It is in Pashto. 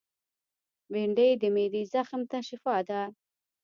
بېنډۍ د معدې زخم ته شفاء ده